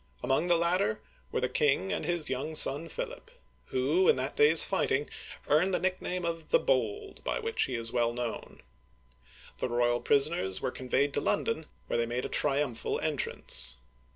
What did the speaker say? Among the latter were the king and his young son Philip, who, in that day's fighting, earned the nickname of " the Bold," by which he is well known. The royal prisoners were conveyed to London, where they made a triumphal entrance.